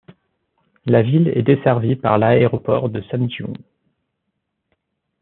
La ville est desservie par l'aéroport de Samjiyŏn.